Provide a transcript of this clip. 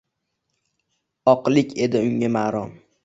Oqlik edi unga marom.